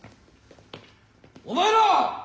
お前ら！